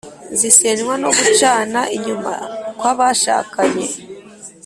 zisenywa no gucana inyuma kw’abashakanye.